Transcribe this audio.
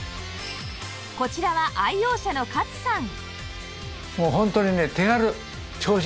こちらは愛用者の勝さん